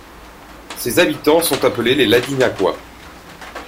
Ses habitants sont appelés les Ladignacois.